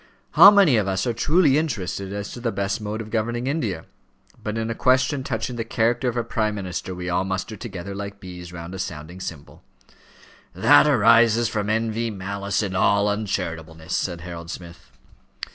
How many of us are truly interested as to the best mode of governing India? But in a question touching the character of a prime minister we all muster together like bees round a sounding cymbal." "That arises from envy, malice, and all uncharitableness," said Harold Smith.